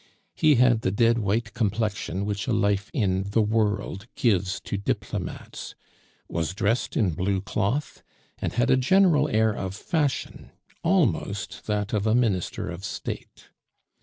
He had the dead white complexion which a life in the "world" gives to diplomates, was dressed in blue cloth, and had a general air of fashion almost that of a Minister of State.